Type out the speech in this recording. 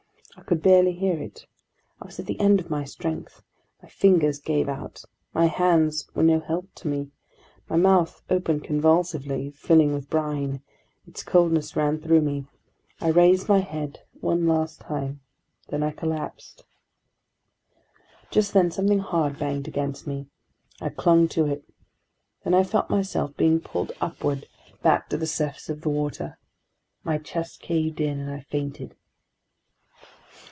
I could barely hear it. I was at the end of my strength; my fingers gave out; my hands were no help to me; my mouth opened convulsively, filling with brine; its coldness ran through me; I raised my head one last time, then I collapsed. ... Just then something hard banged against me. I clung to it. Then I felt myself being pulled upward, back to the surface of the water; my chest caved in, and I fainted.